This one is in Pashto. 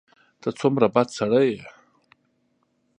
ته څومره بد سړی یې !